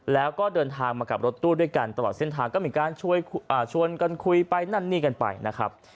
แล้วก็เดินทางมากับรถตู้ด้วยกันตลอดเส้นทางก็มีการชวนกันคุยไปนั่นนี่กันไปนะครับ